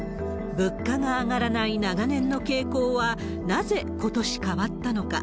物価が上がらない長年の傾向は、なぜことし変わったのか。